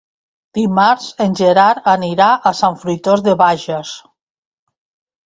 Dimarts en Gerard anirà a Sant Fruitós de Bages.